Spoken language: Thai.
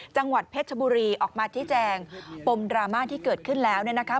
จังหวัดเพชรชบุรีออกมาชี้แจงปมดราม่าที่เกิดขึ้นแล้วเนี่ยนะคะ